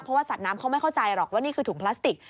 เพราะว่าสัตว์น้ำเขาไม่เข้าใจหรอกว่านี่คือถุงพลาสติก